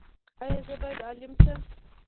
ایا زه باید عالم شم؟